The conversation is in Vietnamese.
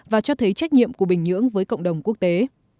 và cho thấy trách nhiệm của bình nhưỡng với cộng đồng quốc tế